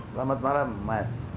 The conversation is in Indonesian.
selamat malam mas